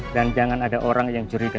dan jangan ada orang yang curiga